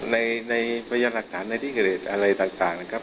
ในพยายามหักฐานในที่เกรดอะไรต่างนะครับ